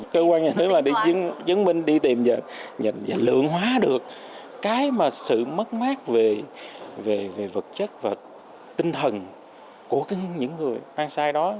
cơ quan nhà nước là đi chứng minh đi tìm và lượng hóa được cái mà sự mất mát về vật chất và tinh thần của những người mang sai đó